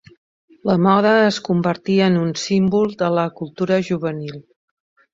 La moda es convertí en un símbol de la cultura juvenil.